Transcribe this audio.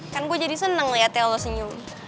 kan gue jadi senang liatnya lo senyum